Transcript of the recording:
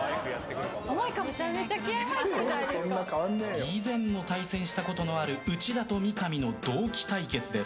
以前も対戦したことのある内田と三上の同期対決です。